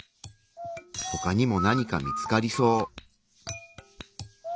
ほかにも何か見つかりそう。